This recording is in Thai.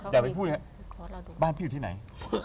อย่าไปพูดครับบ้านพี่อยู่ที่ไหน